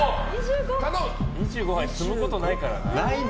２５牌、積むことないからな。